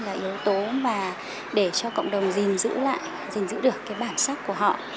là yếu tố mà để cho cộng đồng gìn giữ lại gìn giữ được cái bản sắc của họ